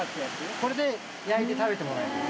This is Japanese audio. これで焼いて食べてもらいます。